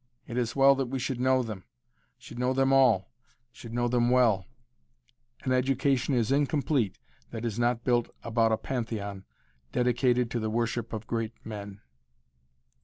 It is well that we should know them, should know them all, should know them well an education is incomplete that is not built about a Pantheon, dedicated to the worship of great men.